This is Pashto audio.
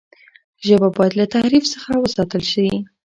ژبه باید له تحریف څخه وساتل سي.